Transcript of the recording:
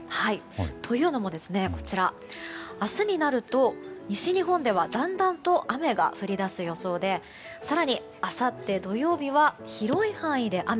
というのも、明日になると西日本ではだんだんと雨が降り出す予想で更に、あさって土曜日は広い範囲で雨。